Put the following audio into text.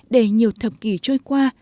để nhiều thập kỷ trôi qua